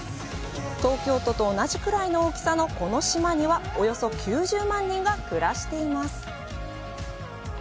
東京都と同じくらいの大きさのこの島にはおよそ９０万人が暮らしています。